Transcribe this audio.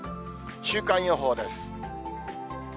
週間予報です。